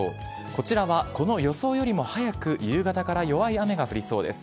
こちらはこの予想よりも早く、夕方から弱い雨が降りそうです。